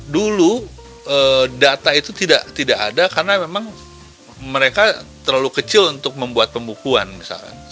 dulu data itu tidak ada karena memang mereka terlalu kecil untuk membuat pembukuan misalkan